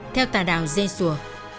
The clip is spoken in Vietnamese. theo tà đảo dê sùa